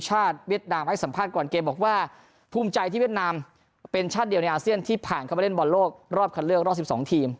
เวียดนามให้สัมภาษณ์ก่อนเกมบอกว่าภูมิใจที่เวียดนามเป็นชาติเดียวในอาเซียนที่ผ่านเข้าไปเล่นบอลโลกรอบคันเลือกรอบ๑๒ทีม